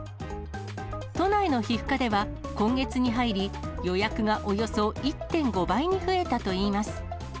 都内の皮膚科では、今月に入り予約がおよそ１．５倍に増えたといいます。